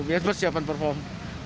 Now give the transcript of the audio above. biasa persiapan perform